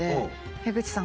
江口さん